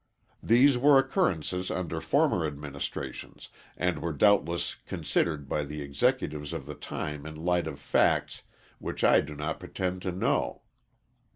These were occurrences under former administrations, and were doubtless considered by the Executives of the time in the light of facts, which I do not pretend to know.